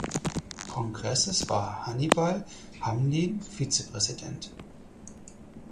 Kongresses war Hannibal Hamlin Vizepräsident.